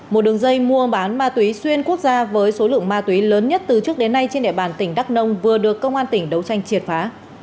một đường dây mua bán ma túy xuyên quốc gia với số lượng ma túy lớn nhất từ trước đến nay trên địa bàn tỉnh đắk nông vừa được công an tỉnh đấu tranh triệt phá